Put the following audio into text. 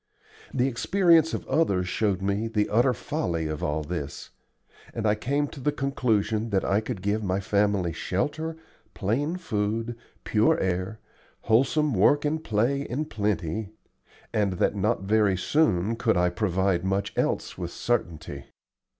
The experience of others showed me the utter folly of all this; and I came to the conclusion that I could give my family shelter, plain food, pure air, wholesome work and play in plenty, and that not very soon could I provide much else with certainty.